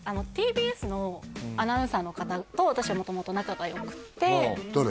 ＴＢＳのアナウンサーの方と私は元々仲がよくて誰？